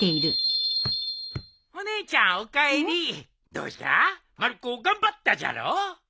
どうじゃまる子頑張ったじゃろう？